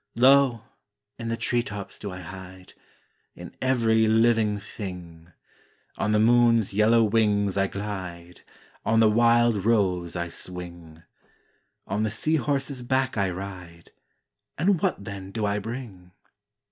Lo! In the tree tops do I hide, In every living thing; On the moon's yellow wings I glide, On the wild rose I swing; On the sea horse's back I ride, And what then do I bring?